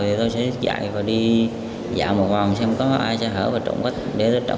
thì tôi sẽ dạy và đi dạo một vòng xem có ai sẽ hở và trộm gắp tài sản